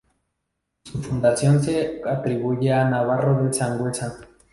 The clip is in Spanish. Su fundación se atribuye a navarros de Sangüesa.